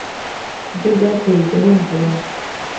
byo byateye iryo hungabana